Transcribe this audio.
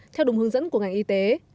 theo đúng hướng dẫn của ngành y tế